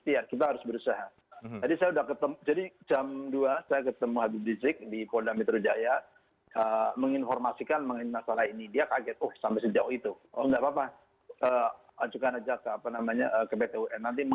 tapi kita tetap akan berjuang